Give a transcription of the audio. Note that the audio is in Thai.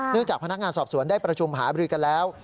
จากพนักงานสอบสวนได้ประชุมหาบริกันแล้ว